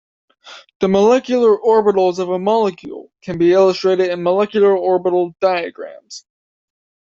The molecular orbitals of a molecule can be illustrated in molecular orbital diagrams.